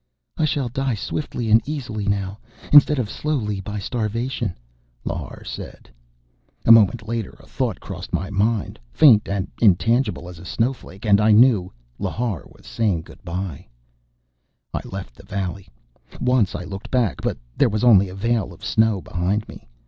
"I shall die swiftly and easily now, instead of slowly, by starvation," Lhar said. A moment later a thought crossed my mind, faint and intangible as a snowflake and I knew Lhar was saying goodbye. I left the valley. Once I looked back, but there was only a veil of snow behind me.